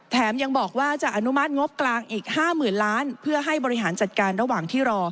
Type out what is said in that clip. ยังบอกว่าจะอนุมัติงบกลางอีก๕๐๐๐ล้านเพื่อให้บริหารจัดการระหว่างที่รอ